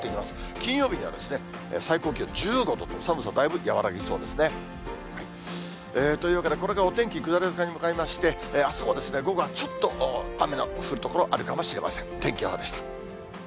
金曜日には最高気温１５度と寒さだいぶ和らぎそうですね。というわけで、これからお天気、下り坂に向かいまして、あすも午後はちょっと雨の降る所、あるかもしれません。